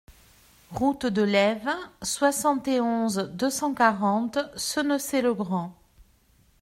Route de Laives, soixante et onze, deux cent quarante Sennecey-le-Grand